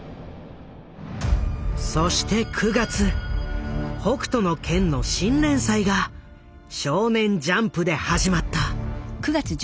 そして９月「北斗の拳」の新連載が少年ジャンプで始まった。